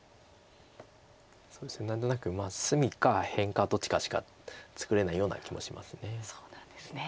何となく隅か辺かどっちかしか作れないような気もします。